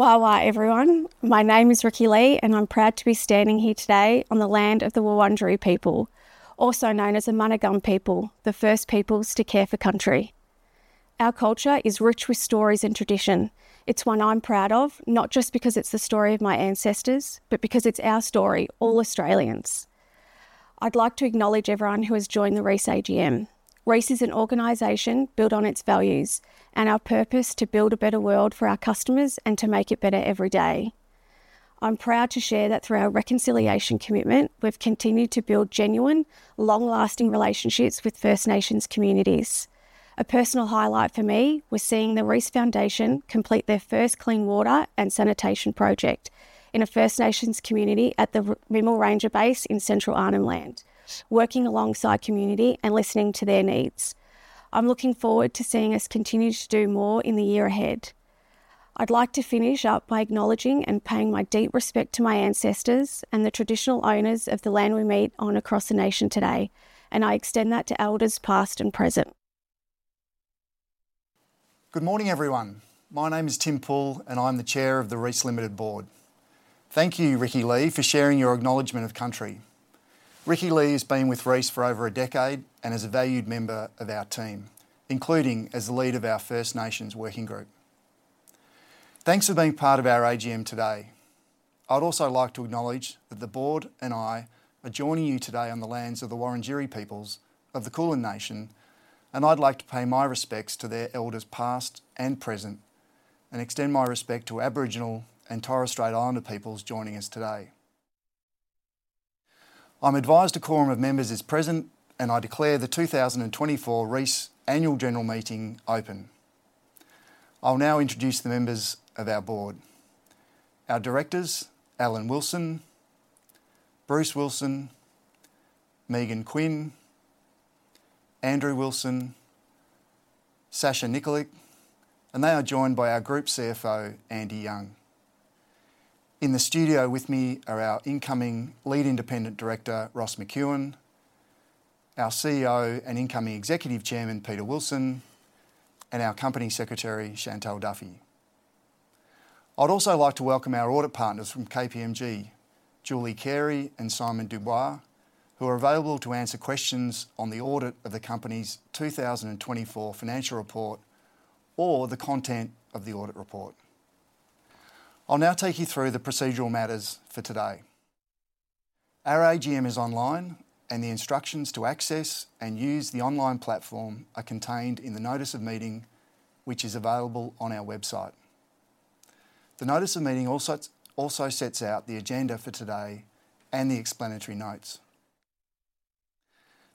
...Wow, wow, everyone. My name is Rikki-Lee, and I'm proud to be standing here today on the land of the Wurundjeri people, also known as the Woiwurrung people, the first peoples to care for country. Our culture is rich with stories and tradition. It's one I'm proud of, not just because it's the story of my ancestors, but because it's our story, all Australians. I'd like to acknowledge everyone who has joined the Reece AGM. Reece is an organization built on its values, and our purpose: to build a better world for our customers and to make it better every day. I'm proud to share that through our reconciliation commitment, we've continued to build genuine, long-lasting relationships with First Nations communities. A personal highlight for me was seeing the Reece Foundation complete their first clean water and sanitation project in a First Nations community at the Mimal Ranger Base in Central Arnhem Land, working alongside community and listening to their needs. I'm looking forward to seeing us continue to do more in the year ahead. I'd like to finish up by acknowledging and paying my deep respect to my ancestors and the traditional owners of the land we meet on across the nation today, and I extend that to elders past and present. Good morning, everyone. My name is Tim Poole, and I'm the Chair of the Reece Limited Board. Thank you, Rikki-Lee, for sharing your Acknowledgment of Country. Rikki-Lee has been with Reece for over a decade and is a valued member of our team, including as the lead of our First Nations working group. Thanks for being part of our AGM today. I'd also like to acknowledge that the board and I are joining you today on the lands of the Wurundjeri peoples of the Kulin Nation, and I'd like to pay my respects to their elders, past and present, and extend my respect to Aboriginal and Torres Strait Islander peoples joining us today. I'm advised a quorum of members is present, and I declare the 2024 Reece Annual General Meeting open. I'll now introduce the members of our board. Our directors: Alan Wilson, Bruce Wilson, Megan Quinn, Andrew Wilson, Sasha Nikolic, and they are joined by our Group CFO, Andy Young. In the studio with me are our incoming Lead Independent Director, Ross McEwan. Our CEO and incoming Executive Chairman, Peter Wilson; and our Company Secretary, Chantelle Duffy. I'd also like to welcome our audit partners from KPMG, Julie Carey and Simon Dubois, who are available to answer questions on the audit of the company's two thousand and twenty-four financial report or the content of the audit report. I'll now take you through the procedural matters for today. Our AGM is online, and the instructions to access and use the online platform are contained in the notice of meeting, which is available on our website. The notice of meeting also sets out the agenda for today and the explanatory notes.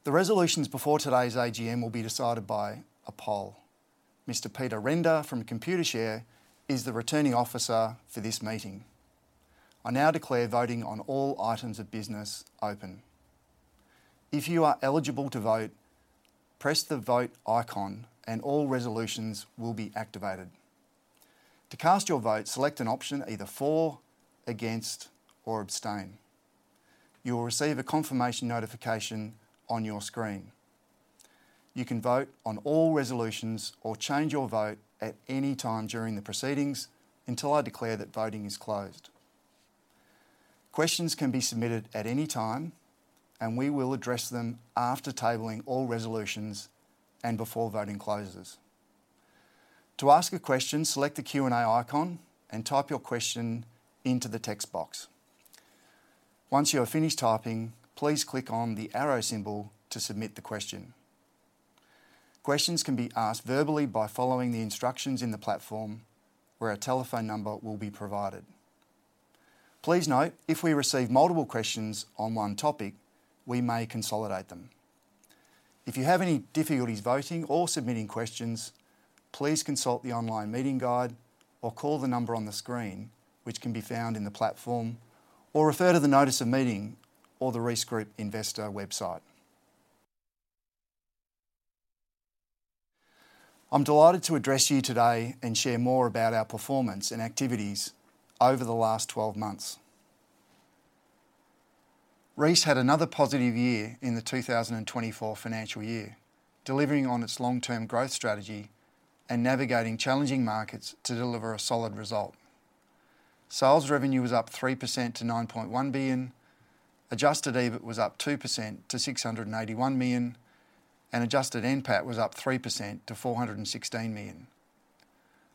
The resolutions before today's AGM will be decided by a poll. Mr. Peter Renda from Computershare is the Returning Officer for this meeting. I now declare voting on all items of business open. If you are eligible to vote, press the Vote icon, and all resolutions will be activated. To cast your vote, select an option either For, Against, or Abstain. You will receive a confirmation notification on your screen. You can vote on all resolutions or change your vote at any time during the proceedings until I declare that voting is closed. Questions can be submitted at any time, and we will address them after tabling all resolutions and before voting closes. To ask a question, select the Q&A icon and type your question into the text box. Once you are finished typing, please click on the arrow symbol to submit the question. Questions can be asked verbally by following the instructions in the platform, where a telephone number will be provided. Please note, if we receive multiple questions on one topic, we may consolidate them. If you have any difficulties voting or submitting questions, please consult the online meeting guide or call the number on the screen, which can be found in the platform, or refer to the notice of meeting or the Reece Group investor website. I'm delighted to address you today and share more about our performance and activities over the last twelve months. Reece had another positive year in the 2024 financial year, delivering on its long-term growth strategy and navigating challenging markets to deliver a solid result. Sales revenue was up 3% to 9.1 billion, adjusted EBIT was up 2% to 681 million, and adjusted NPAT was up 3% to 416 million.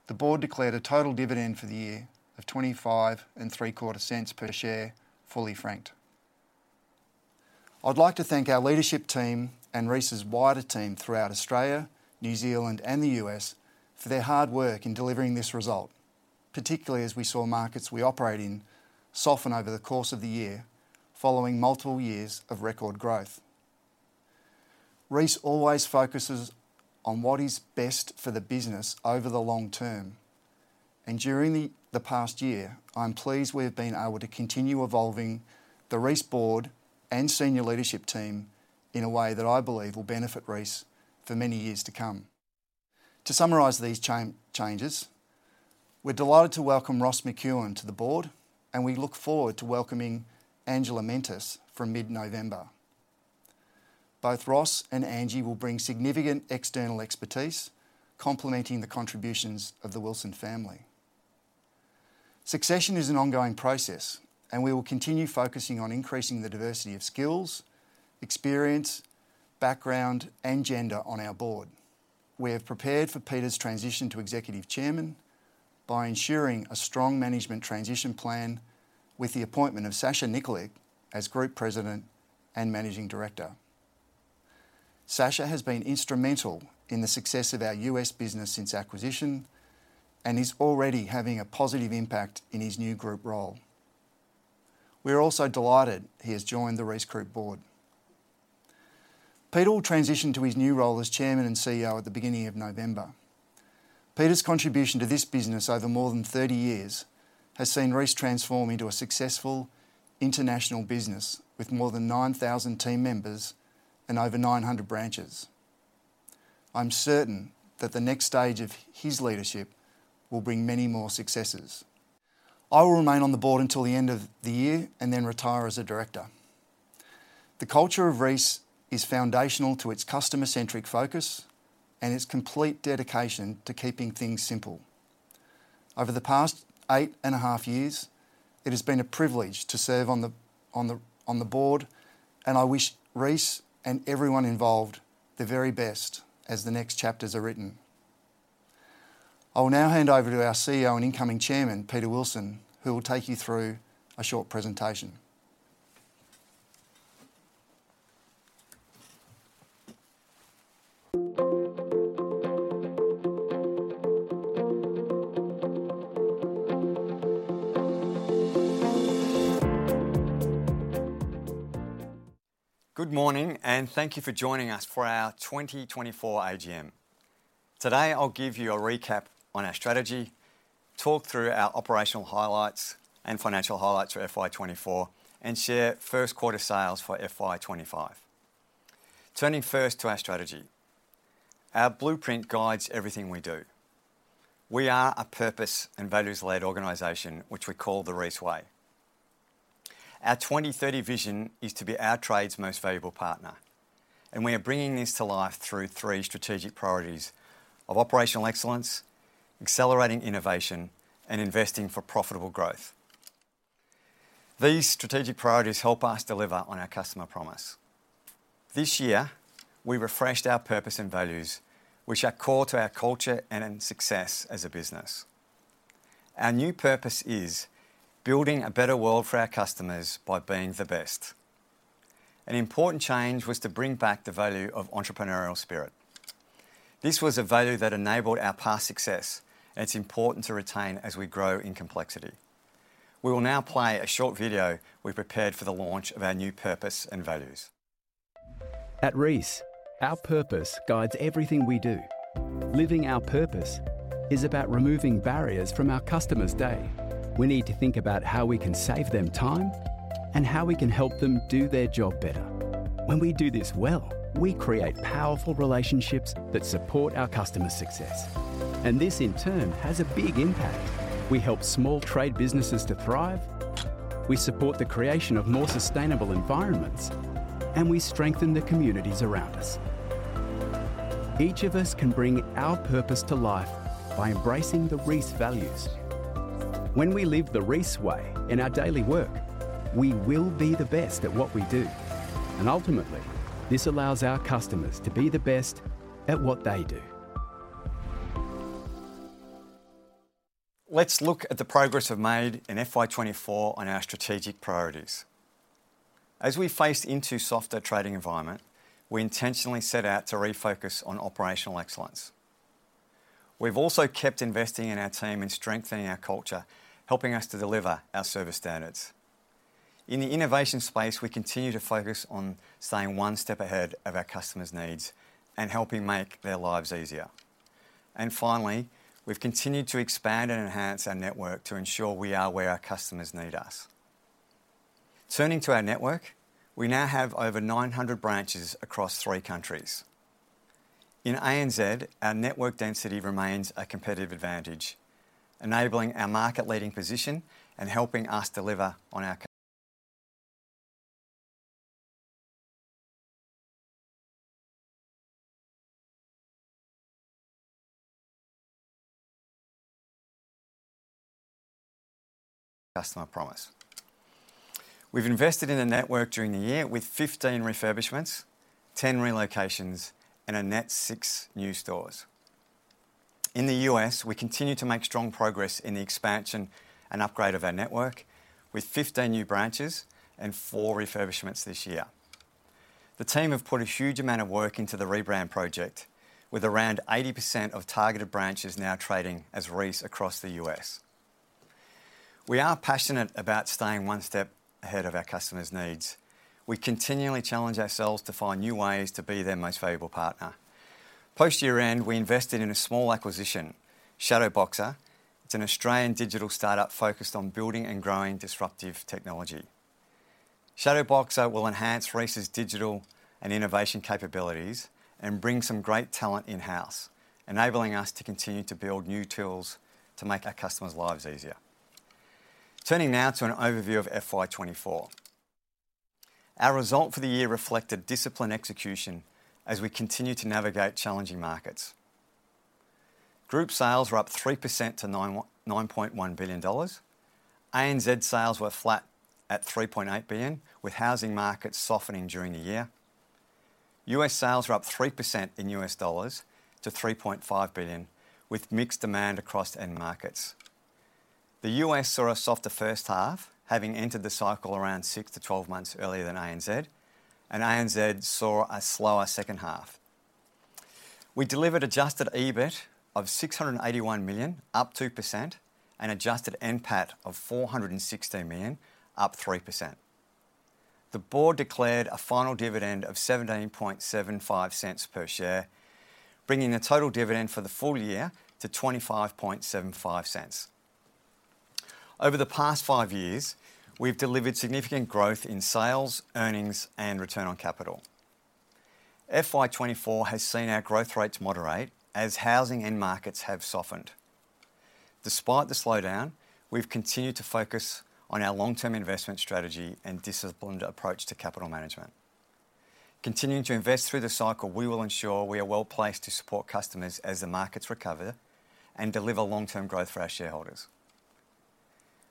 The board declared a total dividend for the year of 0.2575 per share, fully franked. I'd like to thank our leadership team and Reece's wider team throughout Australia, New Zealand, and the U.S. for their hard work in delivering this result, particularly as we saw markets we operate in soften over the course of the year following multiple years of record growth. Reece always focuses on what is best for the business over the long term, and during the past year, I'm pleased we've been able to continue evolving the Reece board and senior leadership team in a way that I believe will benefit Reece for many years to come. To summarize these changes, we're delighted to welcome Ross McEwan to the board, and we look forward to welcoming Angela Mentis from mid-November. Both Ross and Angie will bring significant external expertise, complementing the contributions of the Wilson family. Succession is an ongoing process, and we will continue focusing on increasing the diversity of skills, experience, background, and gender on our board. We have prepared for Peter's transition to Executive Chairman by ensuring a strong management transition plan with the appointment of Sasha Nikolic as Group President and Managing Director. Sasha has been instrumental in the success of our US business since acquisition, and he's already having a positive impact in his new group role. We're also delighted he has joined the Reece Group Board. Peter will transition to his new role as Chairman and CEO at the beginning of November. Peter's contribution to this business over more than thirty years has seen Reece transform into a successful international business with more than nine thousand team members and over nine hundred branches. I'm certain that the next stage of his leadership will bring many more successes. I will remain on the board until the end of the year and then retire as a director. The culture of Reece is foundational to its customer-centric focus and its complete dedication to keeping things simple. Over the past eight and a half years, it has been a privilege to serve on the board, and I wish Reece and everyone involved the very best as the next chapters are written. I will now hand over to our CEO and incoming Chairman, Peter Wilson, who will take you through a short presentation. Good morning, and thank you for joining us for our 2024 AGM. Today, I'll give you a recap on our strategy, talk through our operational highlights and financial highlights for FY 2024, and share first quarter sales for FY 2025. Turning first to our strategy, our blueprint guides everything we do. We are a purpose and values-led organization, which we call the Reece Way. Our 2030 vision is to be our trade's most valuable partner, and we are bringing this to life through three strategic priorities of operational excellence, accelerating innovation, and investing for profitable growth. These strategic priorities help us deliver on our customer promise. This year, we refreshed our purpose and values, which are core to our culture and success as a business. Our new purpose is building a better world for our customers by being the best. An important change was to bring back the value of entrepreneurial spirit. This was a value that enabled our past success, and it's important to retain as we grow in complexity. We will now play a short video we prepared for the launch of our new purpose and values. At Reece, our purpose guides everything we do. Living our purpose is about removing barriers from our customer's day. We need to think about how we can save them time and how we can help them do their job better. When we do this well, we create powerful relationships that support our customer success, and this, in turn, has a big impact. We help small trade businesses to thrive, we support the creation of more sustainable environments, and we strengthen the communities around us. Each of us can bring our purpose to life by embracing the Reece values. When we live the Reece way in our daily work, we will be the best at what we do, and ultimately, this allows our customers to be the best at what they do. Let's look at the progress we've made in FY 2024 on our strategic priorities. As we faced into softer trading environment, we intentionally set out to refocus on operational excellence. We've also kept investing in our team and strengthening our culture, helping us to deliver our service standards. In the innovation space, we continue to focus on staying one step ahead of our customers' needs and helping make their lives easier. And finally, we've continued to expand and enhance our network to ensure we are where our customers need us. Turning to our network, we now have over nine hundred branches across three countries. In ANZ, our network density remains a competitive advantage, enabling our market-leading position and helping us deliver on our customer promise. We've invested in a network during the year with 15 refurbishments, 10 relocations, and a net six new stores. In the US, we continue to make strong progress in the expansion and upgrade of our network with fifteen new branches and four refurbishments this year. The team have put a huge amount of work into the rebrand project, with around 80% of targeted branches now trading as Reece across the US. We are passionate about staying one step ahead of our customers' needs. We continually challenge ourselves to find new ways to be their most valuable partner. Post-year end, we invested in a small acquisition, Shadowboxer. It's an Australian digital startup focused on building and growing disruptive technology. Shadowboxer will enhance Reece's digital and innovation capabilities and bring some great talent in-house, enabling us to continue to build new tools to make our customers' lives easier. Turning now to an overview of FY 2024. Our result for the year reflected disciplined execution as we continued to navigate challenging markets. Group sales were up 3% to 9.91 billion dollars. ANZ sales were flat at 3.8 billion, with housing markets softening during the year. US sales were up 3% in US dollars to $3.5 billion, with mixed demand across end markets. The US saw a softer first half, having entered the cycle around six to 12 months earlier than ANZ, and ANZ saw a slower second half. We delivered adjusted EBIT of 681 million, up 2%, and adjusted NPAT of 416 million, up 3%. The board declared a final dividend of 0.1775 per share, bringing the total dividend for the full year to 0.2575. Over the past five years, we've delivered significant growth in sales, earnings, and return on capital. FY 2024 has seen our growth rates moderate as housing end markets have softened. Despite the slowdown, we've continued to focus on our long-term investment strategy and disciplined approach to capital management. Continuing to invest through the cycle, we will ensure we are well placed to support customers as the markets recover and deliver long-term growth for our shareholders.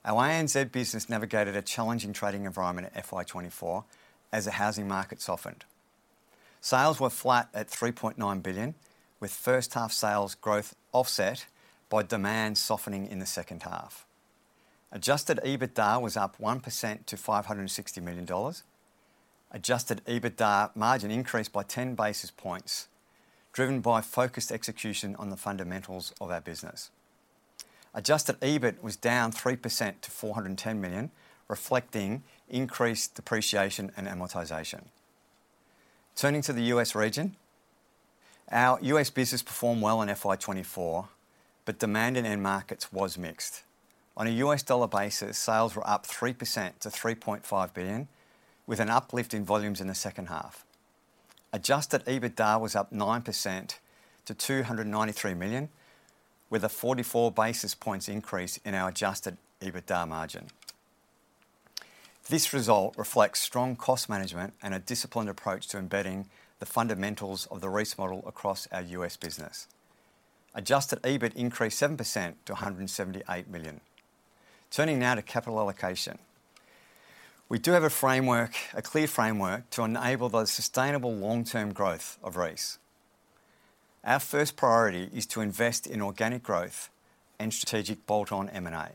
Our ANZ business navigated a challenging trading environment in FY 2024 as the housing market softened. Sales were flat at 3.9 billion, with first half sales growth offset by demand softening in the second half. Adjusted EBITDA was up 1% to 560 million dollars. Adjusted EBITDA margin increased by 10 basis points, driven by focused execution on the fundamentals of our business. Adjusted EBIT was down 3% to 410 million, reflecting increased depreciation and amortization. Turning to the U.S. region, our U.S. business performed well in FY 2024, but demand in end markets was mixed. On a U.S. dollar basis, sales were up 3% to $3.5 billion, with an uplift in volumes in the second half. Adjusted EBITDA was up 9% to $293 million, with a 44 basis points increase in our adjusted EBITDA margin. This result reflects strong cost management and a disciplined approach to embedding the fundamentals of the Reece model across our U.S. business. Adjusted EBIT increased 7% to $178 million. Turning now to capital allocation. We do have a framework, a clear framework, to enable the sustainable long-term growth of Reece. Our first priority is to invest in organic growth and strategic bolt-on M&A.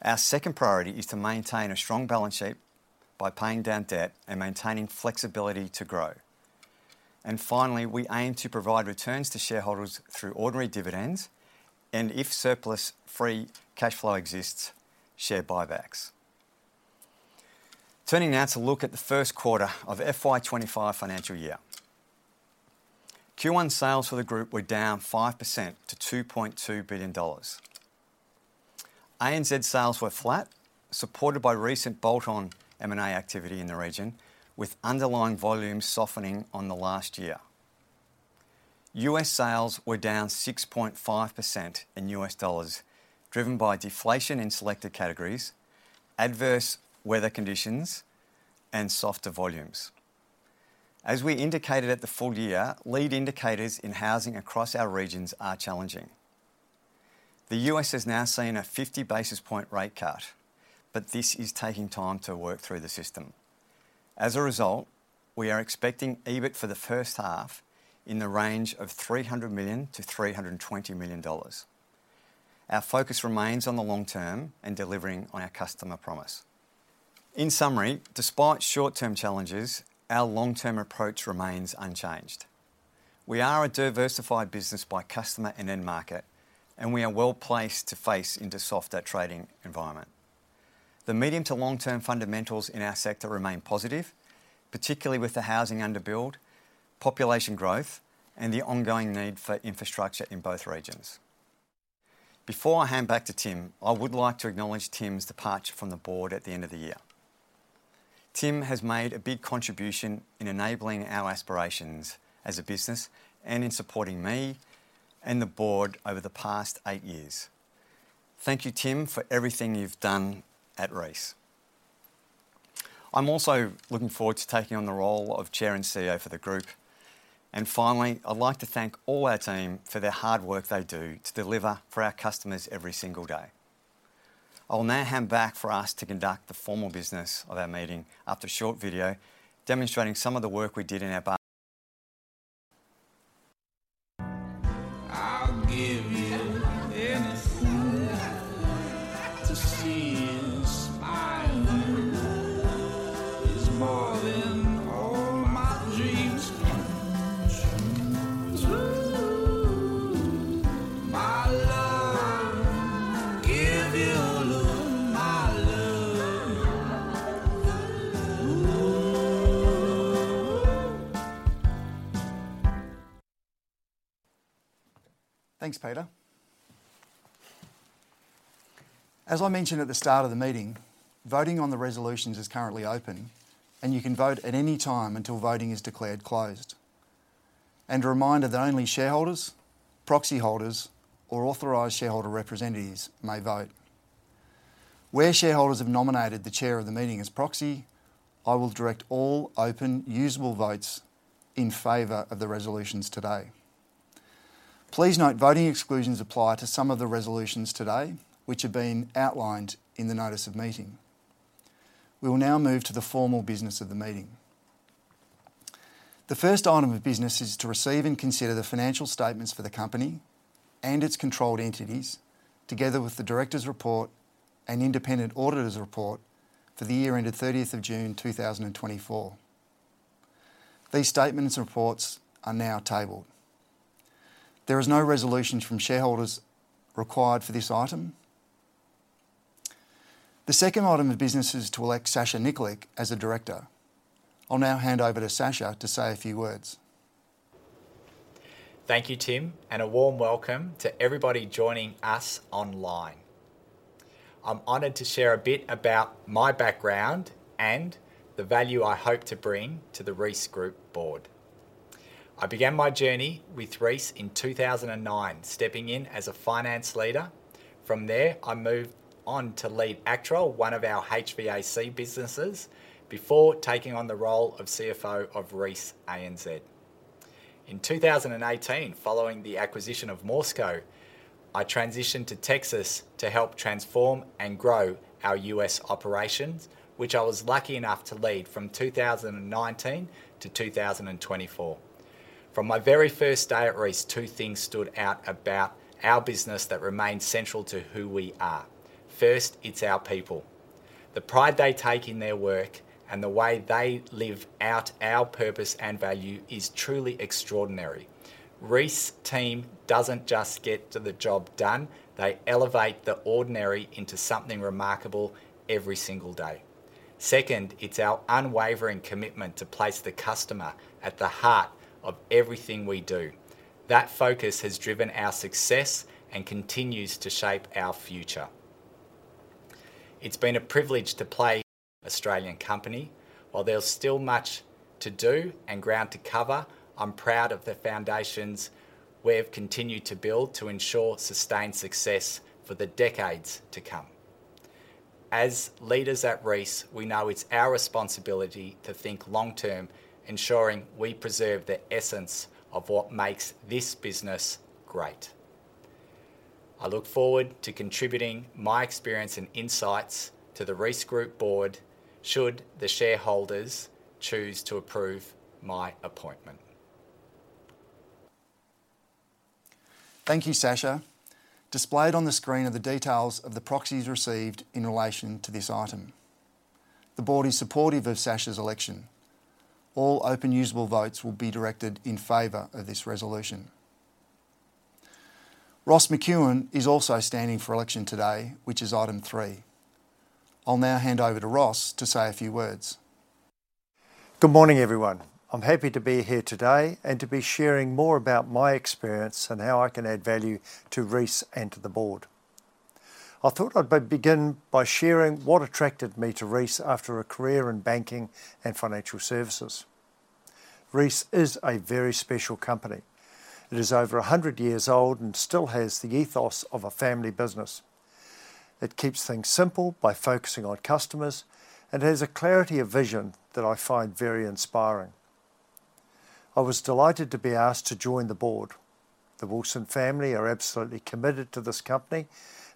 Our second priority is to maintain a strong balance sheet by paying down debt and maintaining flexibility to grow. And finally, we aim to provide returns to shareholders through ordinary dividends, and if surplus free cash flow exists, share buybacks. Turning now to look at the first quarter of FY twenty-five financial year. Q1 sales for the group were down 5% to 2.2 billion dollars. ANZ sales were flat, supported by recent bolt-on M&A activity in the region, with underlying volumes softening on the last year. US sales were down 6.5% in USD, driven by deflation in selected categories, adverse weather conditions, and softer volumes. As we indicated at the full year, lead indicators in housing across our regions are challenging. The U.S. has now seen a fifty basis points rate cut, but this is taking time to work through the system. As a result, we are expecting EBIT for the first half in the range of 300 million-320 million dollars. Our focus remains on the long term and delivering on our customer promise. In summary, despite short-term challenges, our long-term approach remains unchanged. We are a diversified business by customer and end market, and we are well placed to face into softer trading environment. The medium to long-term fundamentals in our sector remain positive, particularly with the housing under build, population growth, and the ongoing need for infrastructure in both regions. Before I hand back to Tim, I would like to acknowledge Tim's departure from the board at the end of the year. Tim has made a big contribution in enabling our aspirations as a business and in supporting me and the board over the past eight years. Thank you, Tim, for everything you've done at Reece. I'm also looking forward to taking on the role of Chair and CEO for the group. And finally, I'd like to thank all our team for the hard work they do to deliver for our customers every single day. I will now hand back for us to conduct the formal business of our meeting after a short video demonstrating some of the work we did in our- I'll give you anything. To see you smiling is more than all my dreams come true. My love, give you all of my love. Ooh! Thanks, Peter. As I mentioned at the start of the meeting, voting on the resolutions is currently open, and you can vote at any time until voting is declared closed.... and a reminder that only shareholders, proxy holders, or authorized shareholder representatives may vote. Where shareholders have nominated the chair of the meeting as proxy, I will direct all open, usable votes in favor of the resolutions today. Please note, voting exclusions apply to some of the resolutions today, which have been outlined in the notice of meeting. We will now move to the formal business of the meeting. The first item of business is to receive and consider the financial statements for the company and its controlled entities, together with the directors' report and independent auditors' report for the year ended thirtieth of June, two thousand and twenty-four. These statements and reports are now tabled. There is no resolutions from shareholders required for this item. The second item of business is to elect Sasha Nikolic as a director. I'll now hand over to Sasha to say a few words. Thank you, Tim, and a warm welcome to everybody joining us online. I'm honored to share a bit about my background and the value I hope to bring to the Reece Group board. I began my journey with Reece in two thousand and nine, stepping in as a finance leader. From there, I moved on to lead Actrol, one of our HVAC businesses, before taking on the role of CFO of Reece ANZ. In two thousand and eighteen, following the acquisition of MORSCO, I transitioned to Texas to help transform and grow our US operations, which I was lucky enough to lead from two thousand and nineteen to two thousand and twenty-four. From my very first day at Reece, two things stood out about our business that remained central to who we are. First, it's our people. The pride they take in their work and the way they live out our purpose and value is truly extraordinary. Reece team doesn't just get the job done, they elevate the ordinary into something remarkable every single day. Second, it's our unwavering commitment to place the customer at the heart of everything we do. That focus has driven our success and continues to shape our future. It's been a privilege to lead an Australian company. While there's still much to do and ground to cover, I'm proud of the foundations we have continued to build to ensure sustained success for the decades to come. As leaders at Reece, we know it's our responsibility to think long term, ensuring we preserve the essence of what makes this business great. I look forward to contributing my experience and insights to the Reece Group board, should the shareholders choose to approve my appointment. Thank you, Sasha. Displayed on the screen are the details of the proxies received in relation to this item. The board is supportive of Sasha's election. All open, usable votes will be directed in favor of this resolution. Ross McEwan is also standing for election today, which is item three. I'll now hand over to Ross to say a few words. Good morning, everyone. I'm happy to be here today and to be sharing more about my experience and how I can add value to Reece and to the board. I thought I'd begin by sharing what attracted me to Reece after a career in banking and financial services. Reece is a very special company. It is over a hundred years old and still has the ethos of a family business. It keeps things simple by focusing on customers and has a clarity of vision that I find very inspiring. I was delighted to be asked to join the board. The Wilson family are absolutely committed to this company,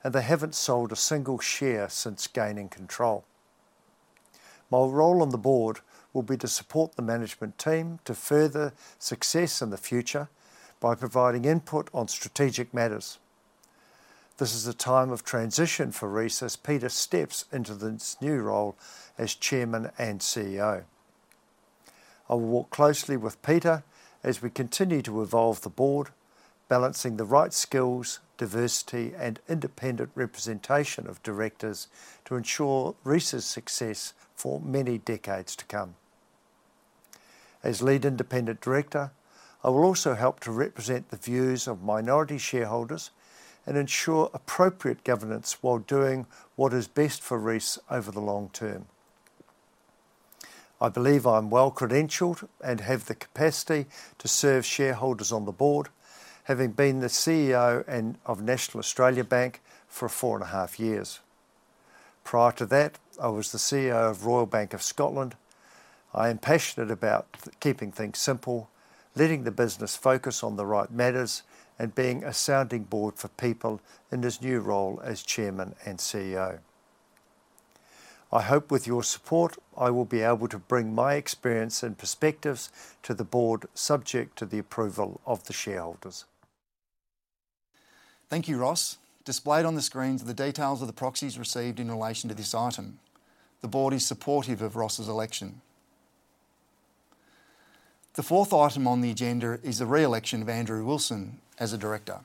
and they haven't sold a single share since gaining control. My role on the board will be to support the management team to further success in the future by providing input on strategic matters. This is a time of transition for Reece as Peter steps into this new role as chairman and CEO. I will work closely with Peter as we continue to evolve the board, balancing the right skills, diversity, and independent representation of directors to ensure Reece's success for many decades to come. As lead independent director, I will also help to represent the views of minority shareholders and ensure appropriate governance while doing what is best for Reece over the long term. I believe I'm well-credentialed and have the capacity to serve shareholders on the board, having been the CEO of National Australia Bank for four and a half years. Prior to that, I was the CEO of Royal Bank of Scotland. I am passionate about keeping things simple, letting the business focus on the right matters, and being a sounding board for people in this new role as Chairman and CEO. I hope with your support, I will be able to bring my experience and perspectives to the board, subject to the approval of the shareholders. Thank you, Ross. Displayed on the screens are the details of the proxies received in relation to this item. The board is supportive of Ross's election. The fourth item on the agenda is the re-election of Andrew Wilson as a director.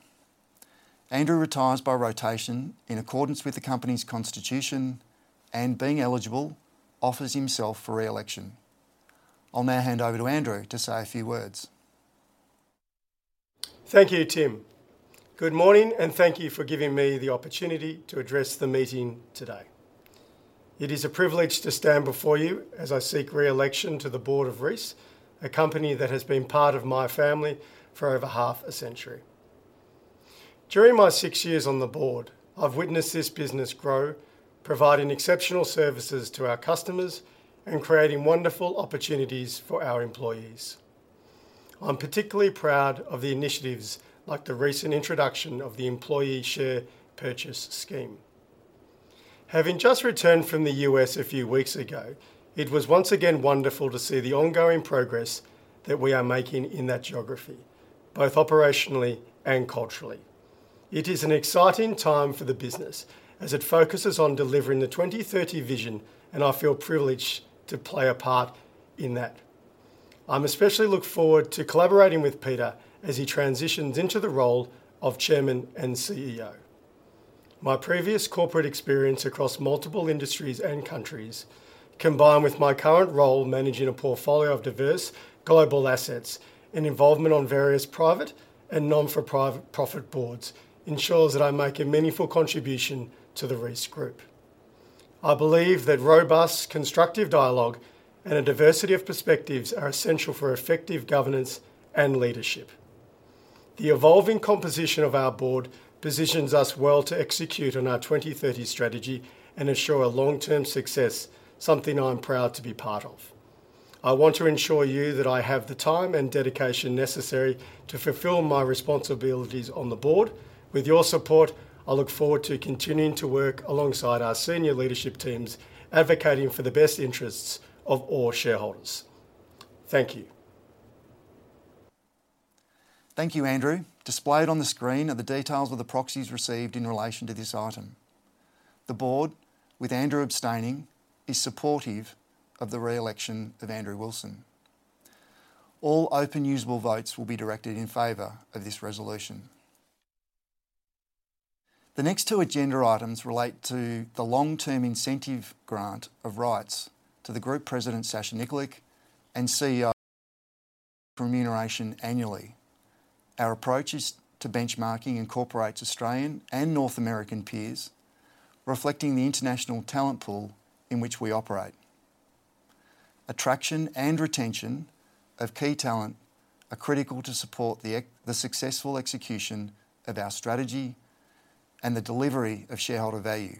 Andrew retires by rotation in accordance with the company's constitution, and being eligible, offers himself for re-election. I'll now hand over to Andrew to say a few words.... Thank you, Tim. Good morning, and thank you for giving me the opportunity to address the meeting today. It is a privilege to stand before you as I seek re-election to the board of Reece, a company that has been part of my family for over half a century. During my six years on the board, I've witnessed this business grow, providing exceptional services to our customers and creating wonderful opportunities for our employees. I'm particularly proud of the initiatives, like the recent introduction of the Employee Share Purchase Scheme. Having just returned from the US a few weeks ago, it was once again wonderful to see the ongoing progress that we are making in that geography, both operationally and culturally. It is an exciting time for the business as it focuses on delivering the twenty thirty vision, and I feel privileged to play a part in that. I especially look forward to collaborating with Peter as he transitions into the role of Chairman and CEO. My previous corporate experience across multiple industries and countries, combined with my current role managing a portfolio of diverse global assets and involvement on various private and non-profit boards, ensures that I make a meaningful contribution to the Reece Group. I believe that robust, constructive dialogue and a diversity of perspectives are essential for effective governance and leadership. The evolving composition of our board positions us well to execute on our 2030 strategy and ensure a long-term success, something I'm proud to be part of. I want to ensure you that I have the time and dedication necessary to fulfill my responsibilities on the board. With your support, I look forward to continuing to work alongside our senior leadership teams, advocating for the best interests of all shareholders. Thank you. Thank you, Andrew. Displayed on the screen are the details of the proxies received in relation to this item. The board, with Andrew abstaining, is supportive of the re-election of Andrew Wilson. All open, usable votes will be directed in favor of this resolution. The next two agenda items relate to the long-term incentive grant of rights to the Group President, Sasha Nikolic, and CEO... remuneration annually. Our approaches to benchmarking incorporates Australian and North American peers, reflecting the international talent pool in which we operate. Attraction and retention of key talent are critical to support the successful execution of our strategy and the delivery of shareholder value.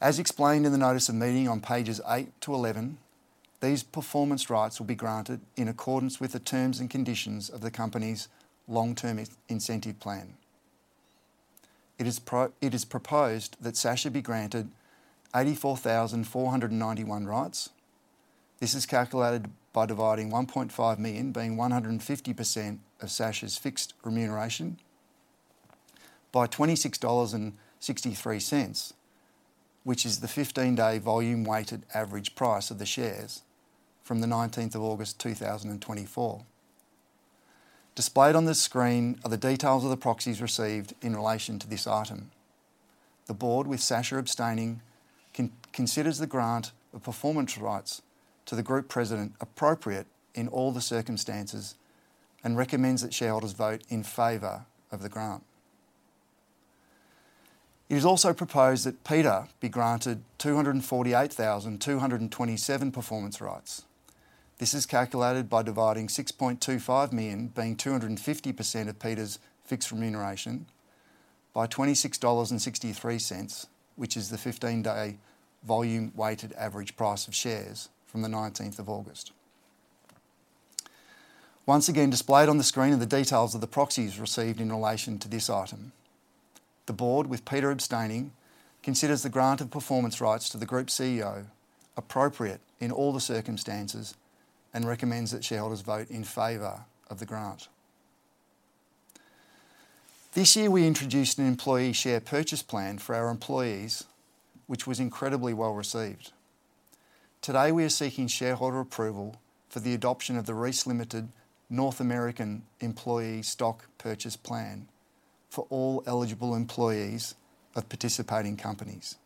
As explained in the notice of meeting on pages eight to eleven, these performance rights will be granted in accordance with the terms and conditions of the company's long-term incentive plan. It is proposed that Sasha be granted 84,401 rights. This is calculated by dividing 1.5 million, being 150% of Sasha's fixed remuneration, by 26.63 dollars, which is the fifteen-day volume-weighted average price of the shares from the nineteenth of August 2024. Displayed on the screen are the details of the proxies received in relation to this item. The board, with Sasha abstaining, considers the grant of performance rights to the group president appropriate in all the circumstances and recommends that shareholders vote in favor of the grant. It is also proposed that Peter be granted 248,227 performance rights. This is calculated by dividing 6.25 million, being 250% of Peter's fixed remuneration, by 26.63 dollars, which is the fifteen-day volume-weighted average price of shares from the nineteenth of August. Once again, displayed on the screen are the details of the proxies received in relation to this item. The board, with Peter abstaining, considers the grant of performance rights to the Group CEO appropriate in all the circumstances and recommends that shareholders vote in favor of the grant. This year, we introduced an employee share purchase plan for our employees, which was incredibly well-received. Today, we are seeking shareholder approval for the adoption of the Reece Limited North American Employee Stock Purchase Plan for all eligible employees of participating companies.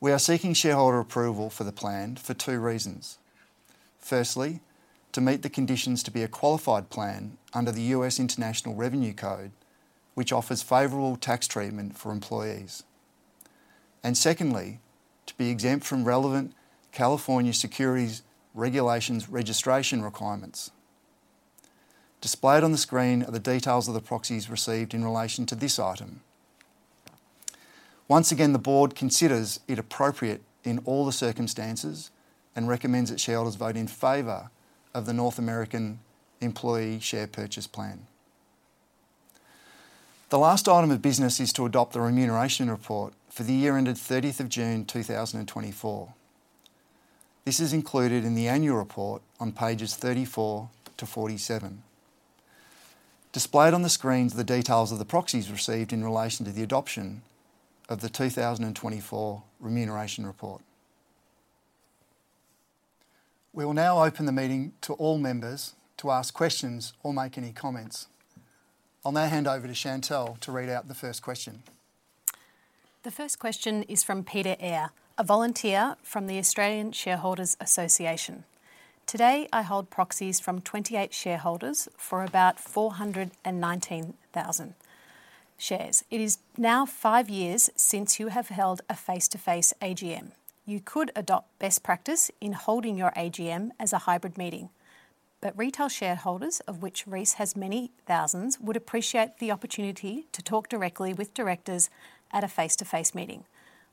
We are seeking shareholder approval for the plan for two reasons. Firstly, to meet the conditions to be a qualified plan under the U.S. Internal Revenue Code, which offers favorable tax treatment for employees, and secondly, to be exempt from relevant California securities regulations registration requirements. Displayed on the screen are the details of the proxies received in relation to this item. Once again, the board considers it appropriate in all the circumstances and recommends that shareholders vote in favor of the North American Employee Share Purchase Plan. The last item of business is to adopt the Remuneration Report for the year ended thirtieth of June, 2024. This is included in the annual report on pages 34 to 47. Displayed on the screen are the details of the proxies received in relation to the adoption of the 2024 Remuneration Report. We will now open the meeting to all members to ask questions or make any comments. I'll now hand over to Chantel to read out the first question.... The first question is from Peter Eyre, a volunteer from the Australian Shareholders' Association. "Today, I hold proxies from twenty-eight shareholders for about four hundred and nineteen thousand shares. It is now five years since you have held a face-to-face AGM. You could adopt best practice in holding your AGM as a hybrid meeting, but retail shareholders, of which Reece has many thousands, would appreciate the opportunity to talk directly with directors at a face-to-face meeting.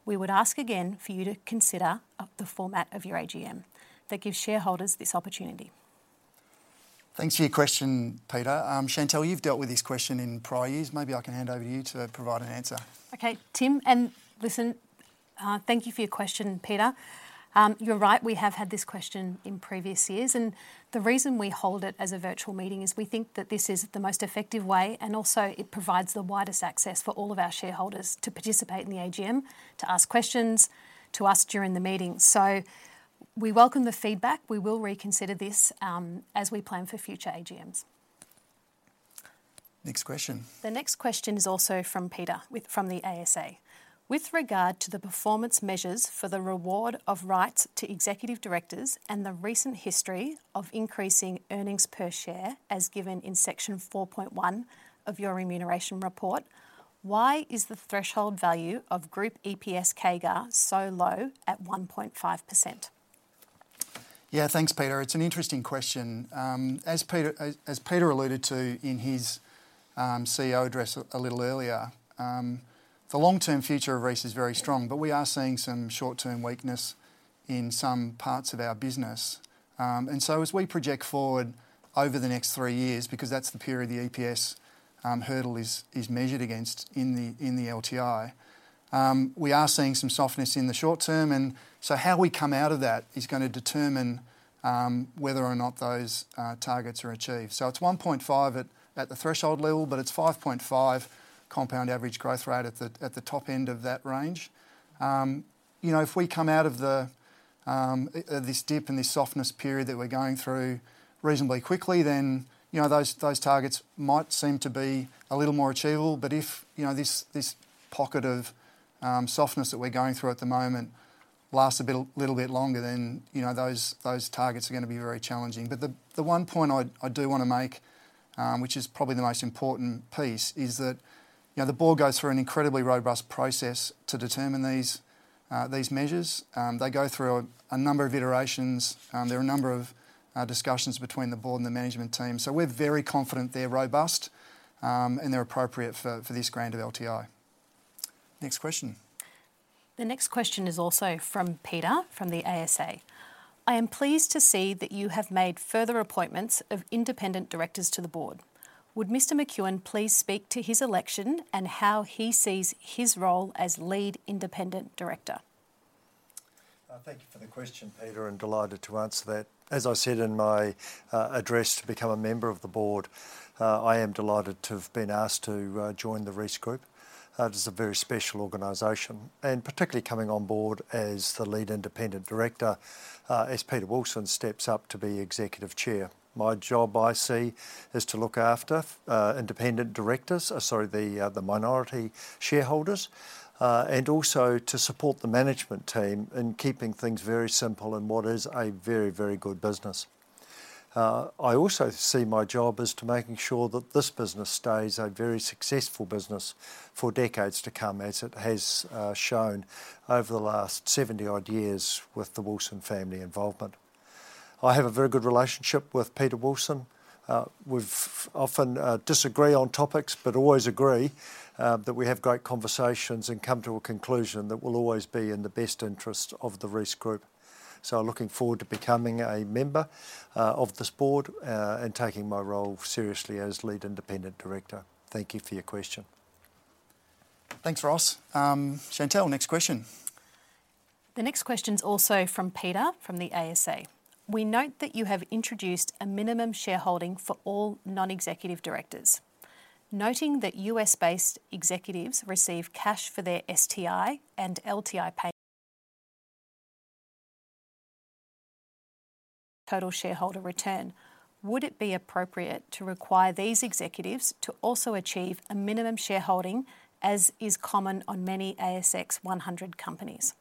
We would ask again for you to consider the format of your AGM that gives shareholders this opportunity. Thanks for your question, Peter. Chantelle, you've dealt with this question in prior years. Maybe I can hand over to you to provide an answer. Okay, Tim, and listen, thank you for your question, Peter. You're right, we have had this question in previous years, and the reason we hold it as a virtual meeting is we think that this is the most effective way, and also it provides the widest access for all of our shareholders to participate in the AGM, to ask questions to us during the meeting. So we welcome the feedback. We will reconsider this, as we plan for future AGMs. Next question. The next question is also from Peter from the ASA: "With regard to the performance measures for the reward of rights to executive directors and the recent history of increasing earnings per share, as given in Section four point one of your remuneration report, why is the threshold value of group EPS CAGR so low at 1.5%? Yeah, thanks, Peter. It's an interesting question. As Peter alluded to in his CEO address a little earlier, the long-term future of Reece is very strong, but we are seeing some short-term weakness in some parts of our business. And so as we project forward over the next three years, because that's the period the EPS hurdle is measured against in the LTI, we are seeing some softness in the short term, and so how we come out of that is gonna determine whether or not those targets are achieved. So it's one point five at the threshold level, but it's five point five compound average growth rate at the top end of that range. You know, if we come out of this dip and this softness period that we're going through reasonably quickly, then, you know, those, those targets might seem to be a little more achievable. But if, you know, this, this pocket of softness that we're going through at the moment lasts a little bit longer, then, you know, those, those targets are gonna be very challenging. But the, the one point I do wanna make, which is probably the most important piece, is that, you know, the board goes through an incredibly robust process to determine these, these measures. They go through a, a number of iterations, there are a number of discussions between the board and the management team. So we're very confident they're robust, and they're appropriate for, for this grant of LTI. Next question. The next question is also from Peter, from the ASA: "I am pleased to see that you have made further appointments of independent directors to the board. Would Mr. McEwan please speak to his election and how he sees his role as lead independent director? Thank you for the question, Peter, and delighted to answer that. As I said in my address to become a member of the board, I am delighted to have been asked to join the Reece Group. It is a very special organization, and particularly coming on board as the Lead Independent Director, as Peter Wilson steps up to be Executive Chair. My job, I see, is to look after independent directors, sorry, the minority shareholders, and also to support the management team in keeping things very simple in what is a very, very good business. I also see my job as to making sure that this business stays a very successful business for decades to come, as it has shown over the last 70-odd years with the Wilson family involvement. I have a very good relationship with Peter Wilson. We've often disagree on topics, but always agree that we have great conversations and come to a conclusion that will always be in the best interest of the Reece Group, so I'm looking forward to becoming a member of this board and taking my role seriously as Lead Independent Director. Thank you for your question. Thanks, Ross. Chantel, next question. The next question's also from Peter, from the ASA: "We note that you have introduced a minimum shareholding for all non-executive directors. Noting that US-based executives receive cash for their STI and LTI pay... total shareholder return, would it be appropriate to require these executives to also achieve a minimum shareholding, as is common on many ASX 100 companies?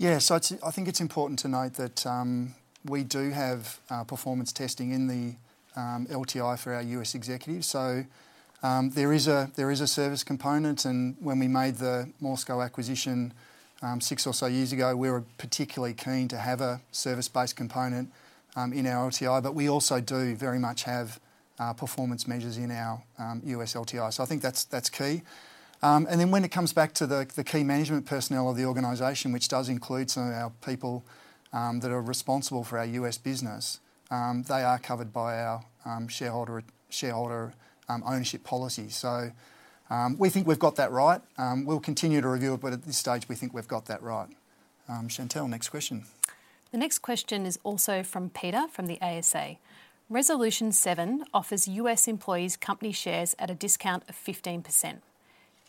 Yeah, so it's, I think it's important to note that, we do have performance testing in the LTI for our U.S. executives. So, there is a service component, and when we made the MORSCO acquisition, six or so years ago, we were particularly keen to have a service-based component in our LTI. But we also do very much have performance measures in our U.S. LTI. So I think that's key. And then when it comes back to the key management personnel of the organization, which does include some of our people that are responsible for our U.S. business, they are covered by our shareholder ownership policy. So, we think we've got that right. We'll continue to review it, but at this stage, we think we've got that right. Chantel, next question. The next question is also from Peter, from the ASA: "Resolution seven offers U.S. employees company shares at a discount of 15%.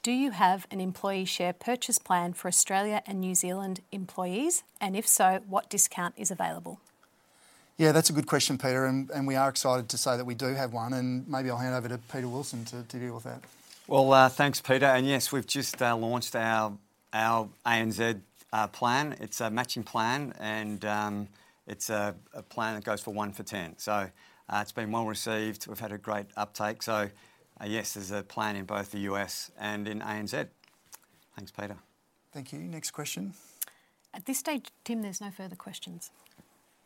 Do you have an employee share purchase plan for Australia and New Zealand employees? And if so, what discount is available?... Yeah, that's a good question, Peter, and we are excited to say that we do have one, and maybe I'll hand over to Peter Wilson to deal with that. Thanks, Peter, and yes, we've just launched our ANZ plan. It's a matching plan, and it's a plan that goes for one for 10. Yes, there's a plan in both the US and in ANZ. Thanks, Peter. Thank you. Next question? At this stage, Tim, there's no further questions.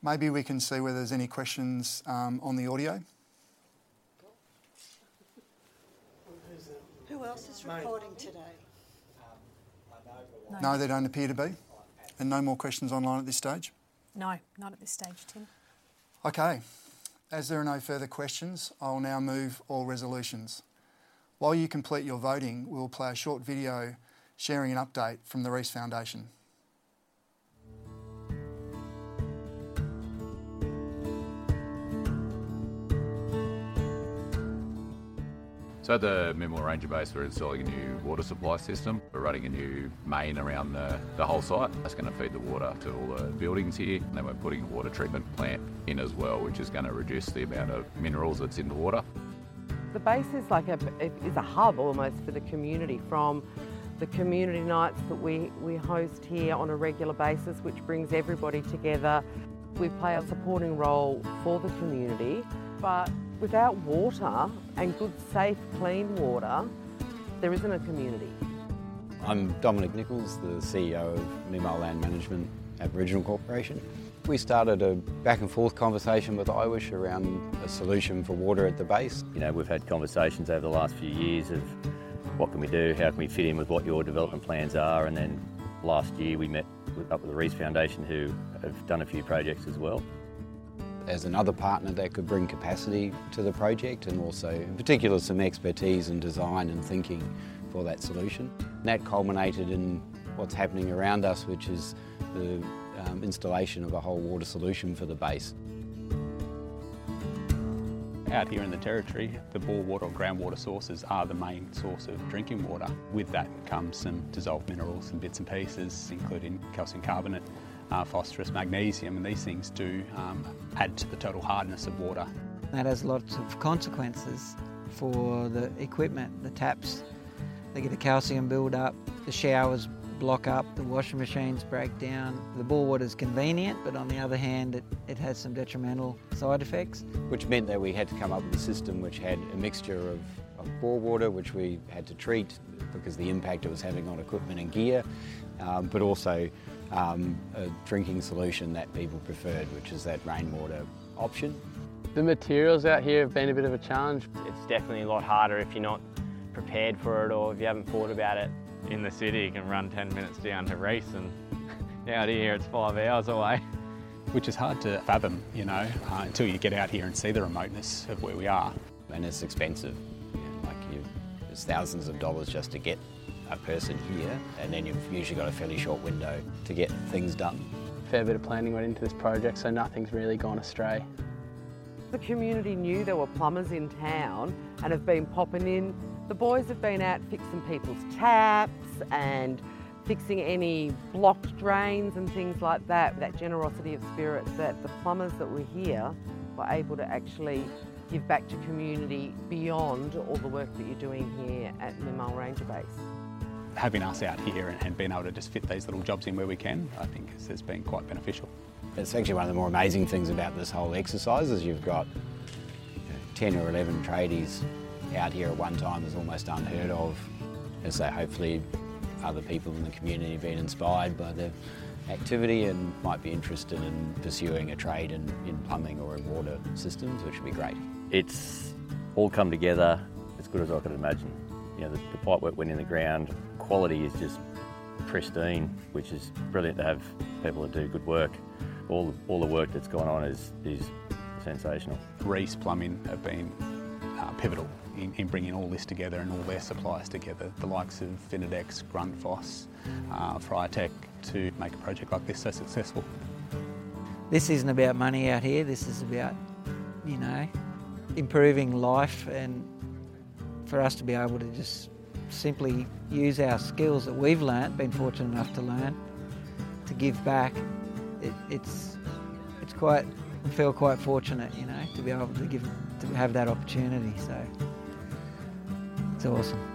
Maybe we can see whether there's any questions on the audio. Who else is recording today? No, there don't appear to be. And no more questions online at this stage? No, not at this stage, Tim. Okay. As there are no further questions, I will now move all resolutions. While you complete your voting, we'll play a short video sharing an update from the Reece Foundation. At the Mimal Ranger Base, we're installing a new water supply system. We're running a new main around the whole site. That's gonna feed the water to all the buildings here, and then we're putting a water treatment plant in as well, which is gonna reduce the amount of minerals that's in the water. The base is like, it's a hub almost for the community, from the community nights that we host here on a regular basis, which brings everybody together. We play a supporting role for the community, but without water, and good, safe, clean water, there isn't a community. I'm Dominic Nicholls, the CEO of Mimal Land Management Aboriginal Corporation. We started a back-and-forth conversation with IWSH around a solution for water at the base. You know, we've had conversations over the last few years of, "What can we do? How can we fit in with what your development plans are?" And then last year, we met up with the Reece Foundation, who have done a few projects as well. As another partner, they could bring capacity to the project, and also, in particular, some expertise in design and thinking for that solution. And that culminated in what's happening around us, which is the installation of a whole water solution for the base. Out here in the territory, the bore water or groundwater sources are the main source of drinking water. With that comes some dissolved minerals and bits and pieces, including calcium carbonate, phosphorus, magnesium, and these things do add to the total hardness of water. That has lots of consequences for the equipment. The taps, they get the calcium build-up, the showers block up, the washing machines break down. The bore water's convenient, but on the other hand, it, it has some detrimental side effects. Which meant that we had to come up with a system which had a mixture of bore water, which we had to treat, because the impact it was having on equipment and gear, but also a drinking solution that people preferred, which is that rainwater option. The materials out here have been a bit of a challenge. It's definitely a lot harder if you're not prepared for it or if you haven't thought about it. In the city, you can run 10 minutes down to Reece, and out here, it's five hours away. Which is hard to fathom, you know, until you get out here and see the remoteness of where we are. It's expensive. You know, like, it's thousands of dollars just to get a person here, and then you've usually got a fairly short window to get things done. A fair bit of planning went into this project, so nothing's really gone astray. The community knew there were plumbers in town, and have been popping in. The boys have been out fixing people's taps and fixing any blocked drains and things like that. That generosity of spirit, that the plumbers that were here were able to actually give back to community beyond all the work that you're doing here at Mimal Ranger Base. Having us out here and being able to just fit these little jobs in where we can, I think has just been quite beneficial. It's actually one of the more amazing things about this whole exercise, is you've got 10 or 11 tradies out here at one time, is almost unheard of. And so hopefully, other people in the community have been inspired by the activity and might be interested in pursuing a trade in plumbing or in water systems, which would be great. It's all come together as good as I could imagine. You know, the pipework went in the ground. Quality is just pristine, which is brilliant to have people that do good work. All the work that's gone on is sensational. Reece Plumbing have been pivotal in bringing all this together and all their suppliers together, the likes of Vinidex, Grundfos, Friatec, to make a project like this so successful. This isn't about money out here. This is about, you know, improving life, and for us to be able to just simply use our skills that we've learnt, been fortunate enough to learn, to give back. It's quite... We feel quite fortunate, you know, to be able to give, to have that opportunity, so it's awesome.